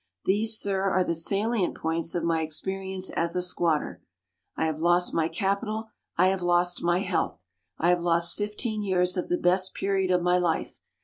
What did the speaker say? These, Sir, are the salient points of my experience as a squatter. I have lost my capital. I have lost my health. I have lost fifteen years of the best period of my life.